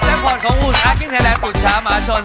พอแล้วครับเจ้าผ่อนของอุตสานกินแทนแลนด์อุตชามชล